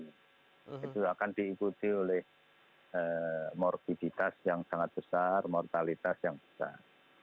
itu akan diikuti oleh morbiditas yang sangat besar mortalitas yang besar